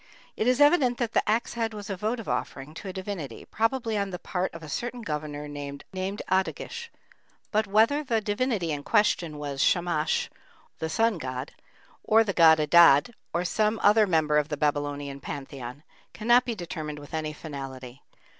It is evident that the axe head was a votive offering to a divinity, probably on the part of a certain governor named Adduggish; but whether the divinity in question was Shamash (the sun god), or the god Adad, or some other member of the Babylonian pantheon, cannot be determined with any finality.